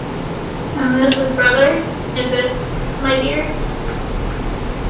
And this is brother, is it, my dears?